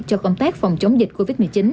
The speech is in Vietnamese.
cho công tác phòng chống dịch covid một mươi chín